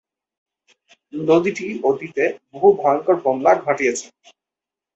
নদীটি অতীতে বহু ভয়ঙ্কর বন্যা ঘটিয়েছে।